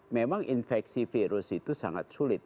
memang infeksi virus itu sangat sulit